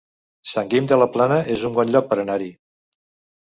Sant Guim de la Plana es un bon lloc per anar-hi